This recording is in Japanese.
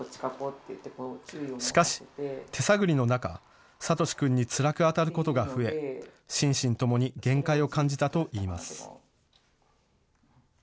しかし、手探りの中、サトシ君につらく当たることが増え心身ともに限界を感じたといいます。